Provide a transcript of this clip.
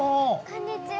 こんにちは。